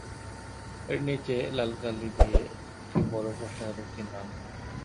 এর নিচে লাল কালি দিয়ে একটি বড় প্রশ্নবোধক চিহ্ন আঁকা।